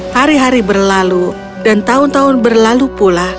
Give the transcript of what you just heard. hari hari berlalu dan tahun tahun berlalu pula